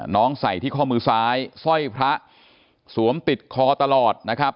ใส่ที่ข้อมือซ้ายสร้อยพระสวมติดคอตลอดนะครับ